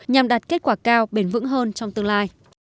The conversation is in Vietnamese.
nhằm đạt kết quả cao bền vững hơn trong tương lai